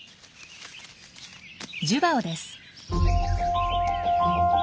ジュバオです。